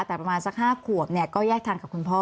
แต่ประมาณสัก๕ขวบเนี่ยก็แยกทางกับคุณพ่อ